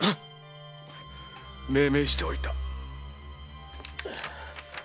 命名しておいた。